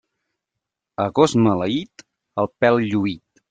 A gos maleït, el pèl lluït.